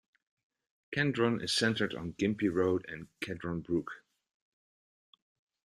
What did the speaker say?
Kendron is centred on Gympie Road and Kedron Brook.